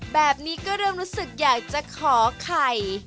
แบบนี้ก็เริ่มรู้สึกอยากจะขอไข่